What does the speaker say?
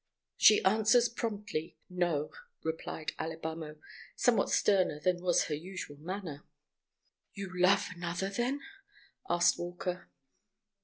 "She answers promptly, no!" replied Alibamo, somewhat sterner than was her usual manner. "You love another, then?" asked Walker.